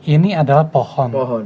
ini adalah pohon